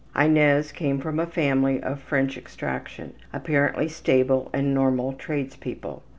Inez came from a family of French extraction, apparently stable and normal tradespeople.